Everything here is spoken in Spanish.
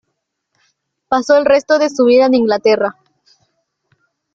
Pasó el resto de su vida en Inglaterra.